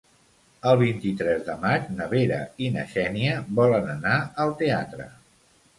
El vint-i-tres de maig na Vera i na Xènia volen anar al teatre.